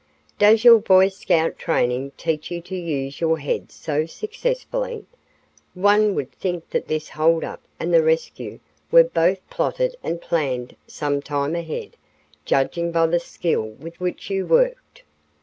"Does your Boy Scout training teach you to use your heads so successfully? One would think that this hold up and the rescue were both plotted and planned some time ahead, judging by the skill with which you worked."